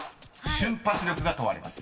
瞬発力が問われます］